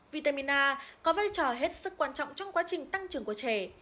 vitamin a có vai trò hết sức quan trọng trong quá trình tăng trưởng của trẻ